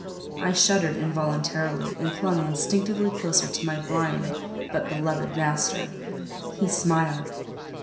I shuddered involuntarily, and clung instinctively closer to my blind but beloved master. He smiled.